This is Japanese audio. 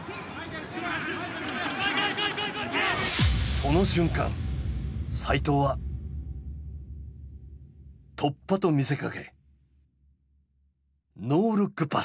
その瞬間齋藤は突破と見せかけノールックパス。